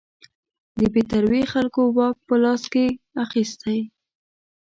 د بې تربیې خلکو واک په لاس کې اخیستی.